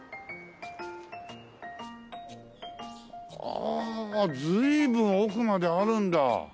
ああ随分奥まであるんだ。